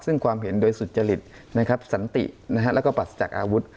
ซึ่งความเห็นโดยสุจริตนะครับสันตินะครับแล้วก็ปรัสจากอาวุธ